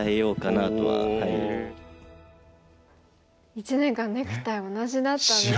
１年間ネクタイ同じだったんですね。